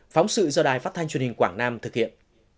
phóng sự do đài phát thanh truyền hình quảng nam thực hiện